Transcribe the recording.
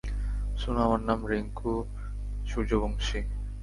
শুনো, আমার নাম রিংকু সূর্যবংশী।